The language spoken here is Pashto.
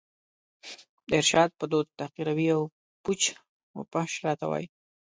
د ارشاد په دود تحقیروي او پوچ و فحش راته وايي